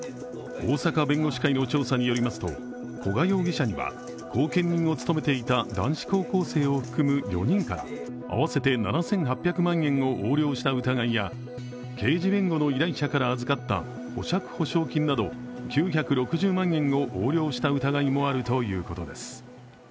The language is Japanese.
大阪弁護士会の調査によりますと、古賀容疑者には後見人を務めていた男子高校生を含む４人から合わせて７８００万円を横領した疑いや刑事弁護の依頼者から預かった保釈保証金など９６０万円を横領した疑いもあるということです。